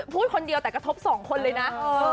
พูดคนเดียวแต่กระทบสองคนเลยนะ